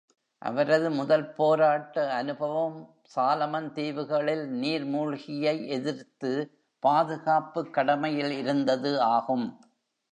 அவரது முதல் போராட்ட அனுபவம் சாலமன் தீவுகளில் நீர்மூழ்கியை எதிர்த்து பாதுகாப்புக் கடமையில் இருந்தது ஆகும்.